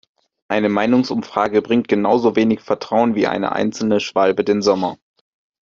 Eine Meinungsumfrage bringt genauso wenig Vertrauen wie eine einzelne Schwalbe den Sommer.